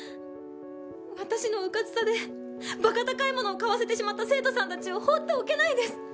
私のうかつさで馬鹿高いものを買わせてしまった生徒さんたちを放っておけないです！